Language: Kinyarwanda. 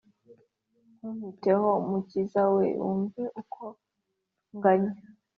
Ntumpiteho mukiza we wumve uko nganya